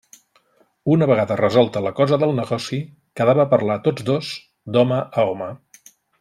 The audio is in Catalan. Una vegada resolta la cosa del negoci, quedava parlar tots dos, d'home a home.